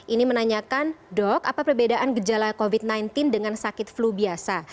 ini menanyakan dok apa perbedaan gejala covid sembilan belas dengan sakit flu biasa